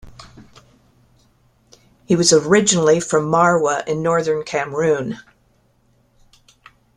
He was originally from Marwa in northern Cameroon.